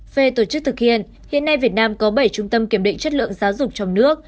về tổ chức thực hiện hiện nay việt nam có bảy trung tâm kiểm định chất lượng giáo dục trong nước